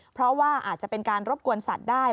เพราะว่าอาจจะเป็นการรบกวนสัตว์ได้